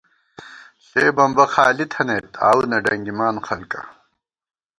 ݪے بمبہ خالی تھنَئیت آؤو نہ ڈنگِمان خلکا